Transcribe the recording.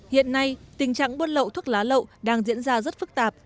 hiện nay tình trạng buôn lậu thuốc lá lậu đang diễn ra rất phức tạp